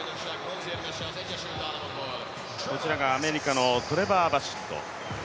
こちらがアメリカのトレバー・バシット。